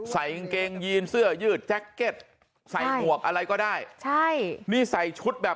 ใส่อิงเกงซื้อยืดหัวหมวกอะไรก็ได้